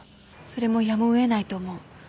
それもやむをえないと思う。